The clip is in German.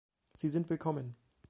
Sie sind willkommen!